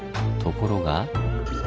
ところが。